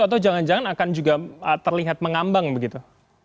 atau jangan jangan akan juga terlihat mengambang begitu